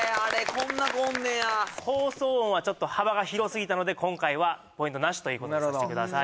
こんな子おんねや放送音はちょっと幅が広すぎたので今回はポイントなしということにさせてください